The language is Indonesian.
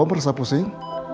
bapak merasa pusing